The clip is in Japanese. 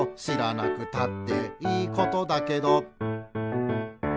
「しらなくたっていいことだけど」